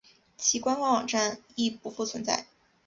其官方网站亦不复存在。